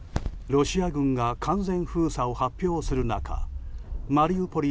ロシア軍が完全封鎖を発表する中マリウポリ